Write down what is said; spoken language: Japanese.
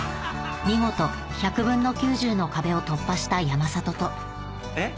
見事１００分の９０の壁を突破した山里とえっ？